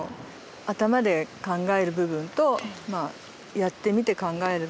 頭で考える部分とやってみて考える部分と実感ですよね。